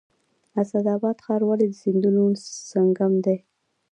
اسعد اباد ښار ولې د سیندونو سنگم دی؟